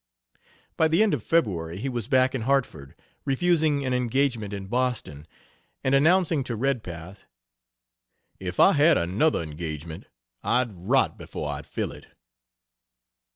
By the end of February he was back in Hartford, refusing an engagement in Boston, and announcing to Redpath, "If I had another engagement I'd rot before I'd fill it."